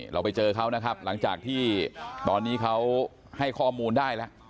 เราไปเจอเขานะครับหลังจากที่ตอนนี้เขาให้ข้อมูลได้แล้ว